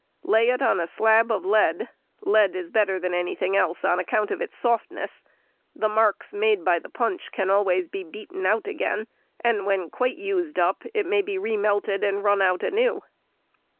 Lay it on a slab of lead. Lead is better than anything else on account of its softness; the marks made by the punch can always be beaten out again, and when quite used up it may be re melted and run out anew.